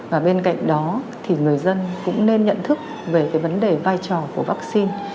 và bên cạnh đó thì người dân cũng nên nhận thức về cái vấn đề vai trò của vaccine